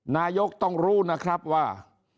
นายกต้องรู้นะครับว่า